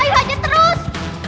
ayo hajar terus